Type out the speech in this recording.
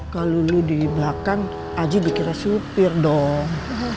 kalau lu di belakang aji dikira supir dong